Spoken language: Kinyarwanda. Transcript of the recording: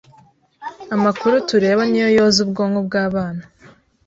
Amakuru tureba niyo yoza ubwonko bwabana